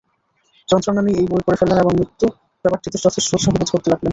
যন্ত্রণা নিয়ে এই বই পড়ে ফেললেন এবং মৃত্যু ব্যাপারটিতে যথেষ্ট উৎসাহ বোধ করতে লাগলেন।